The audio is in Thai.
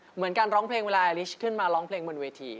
เหมือนการร้องเพลงเวลาไอลิชขึ้นมาร้องเพลงบนเวที